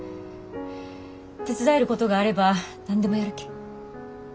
手伝えることがあれば何でもやるけん。